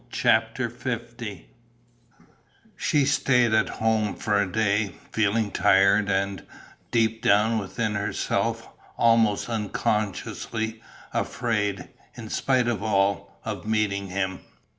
CHAPTER L She stayed at home for a day, feeling tired and, deep down within herself, almost unconsciously, afraid, in spite of all, of meeting him.